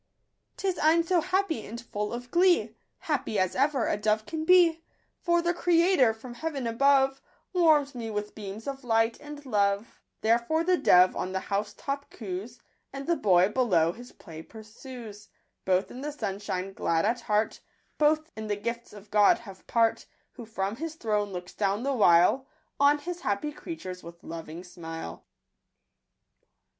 —" 'Tis I'm 'so happy and full o Happy as ever a dove can be ; For the Creator from heaven above Warms me with beams of light and love, Therefore the dove on the house top coos, And the boy below his play pursues ; Both in the sunshine glad at heart, Both in the gifts of God have part : Who from His throne looks down the while On His happy creatures with loving smile.